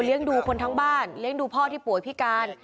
ดูคนทั้งบ้านเลี้ยงดูพ่อที่ป่วยพิการ